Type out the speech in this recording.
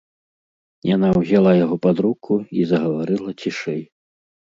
Яна ўзяла яго пад руку і загаварыла цішэй.